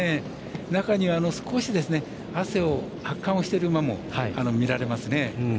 中には、少し発汗をしている馬も見られますね。